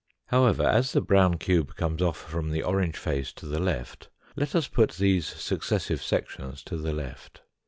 However, as the brown cube comes off from the orange face to the left, let us put these successive sections to the left.